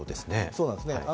そうなんですね。